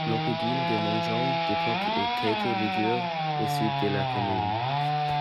L'Oppidum de Montjean, d'époque Celto-ligure, au sud de la commune.